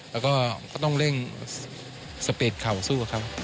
แล้วก็ต้องเร่งสเปรดเข่าสู้กันครับ